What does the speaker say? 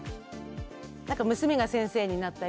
娘が先生になったり。